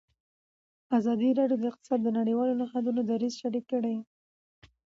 ازادي راډیو د اقتصاد د نړیوالو نهادونو دریځ شریک کړی.